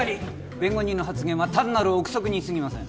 弁護人の発言は単なる臆測にすぎません